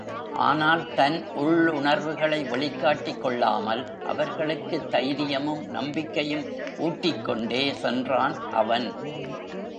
ஆனால் தன் உள்ளுணர்வுகளை வெளிக் காட்டிக் கொள்ளாமல் அவர்களுக்குத் தைரியமும் நம்பிக்கையும் ஊட்டிக்கொண்டே சென்றான் அவன்.